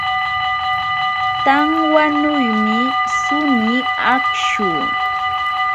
Tanwanuymi suni akshu